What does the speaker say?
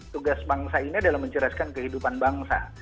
tugas bangsa ini adalah mencerdaskan kehidupan bangsa